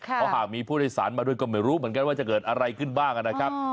เพราะหากมีผู้โดยสารมาด้วยก็ไม่รู้เหมือนกันว่าจะเกิดอะไรขึ้นบ้างนะครับ